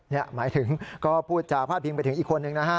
นี่หมายถึงก็พูดจาพาดพิงไปถึงอีกคนนึงนะฮะ